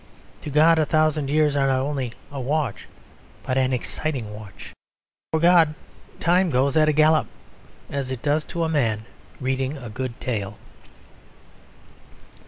To God a thousand years are not only a watch but an exciting watch. For God time goes at a gallop, as it does to a man reading a good tale.